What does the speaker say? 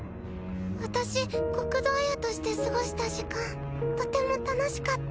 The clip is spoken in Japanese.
私国土亜耶として過ごした時間とても楽しかった。